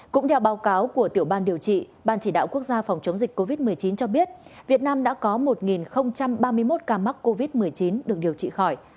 cũng theo báo cáo của tiểu ban điều trị ban chỉ đạo quốc gia phòng chống dịch covid một mươi chín cho biết việt nam đã có một ba mươi một ca mắc covid một mươi chín được điều trị khỏi